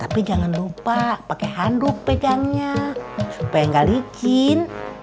pak pakai handuk pegangnya supaya nggak licin